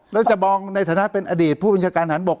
แล้วจะมองในฐานะเป็นอดีตผู้บัญชาการฐานบก